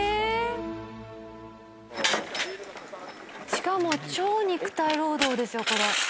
しかも超肉体労働ですよこれ。